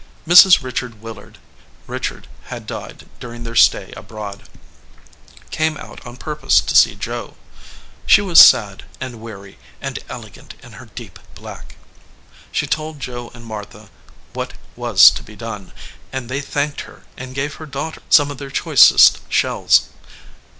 Mrs. Rich ard Willard (Richard had died during their stay abroad) came out on purpose to see Joe. She was sad, and weary, and elegant in her deep black. She told Joe and Martha what was to be done, and they thanked her and gave her daughter some of their choicest shells.